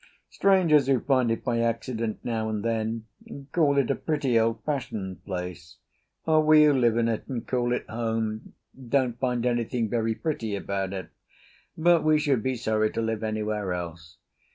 Strangers who find it by accident now and then, call it a pretty, old fashioned place; we who live in it and call it home don't find anything very pretty about it, but we should be sorry to live anywhere else.